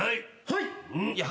はい！